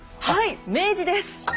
はい明治です。